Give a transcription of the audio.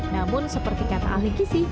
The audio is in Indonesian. namun seperti kata alikisi